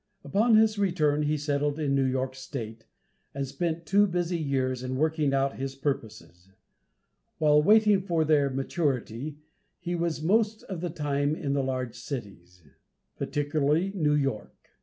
Upon his return he settled in New York state, and spent two busy years in working out his purposes. While waiting for their maturity he was most of the time in the large cities, particularly New York.